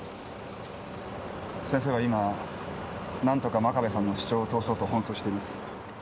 先生は今何とか真壁さんの主張を通そうと奔走しています。